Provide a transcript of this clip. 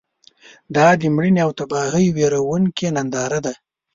دا د مړینې او تباهۍ ویرونکې ننداره ده.